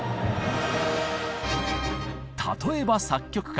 例えば作曲家。